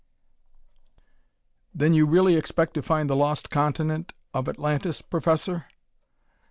"Then you really expect to find the lost continent of Atlantis, Professor?"